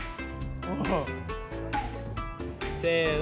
せの。